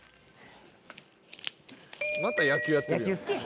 「また野球やってるやん」